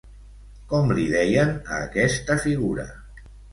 Com li deien a aquesta figura?